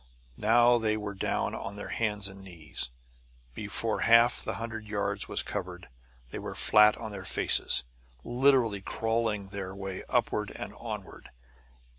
Now they were down on their hands and knees. Before half the hundred yards was covered, they were flat on their faces, literally clawing their way upward and onward.